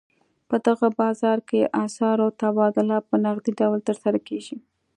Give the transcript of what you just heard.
په دغه بازار کې اسعارو تبادله په نغدي ډول ترسره کېږي.